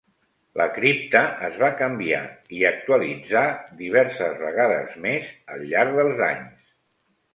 La cripta es va canviar i actualitzar diverses vegades més al llarg dels anys.